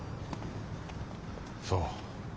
そう。